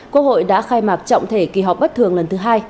quốc hội đã khai mạc trọng thể kỳ họp bất thường lần thứ hai